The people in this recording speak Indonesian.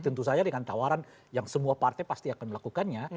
tentu saja dengan tawaran yang semua partai pasti akan melakukannya